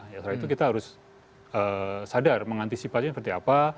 setelah itu kita harus sadar mengantisipasi seperti apa